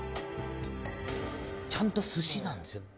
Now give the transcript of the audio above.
ちゃんとすしなんですよ。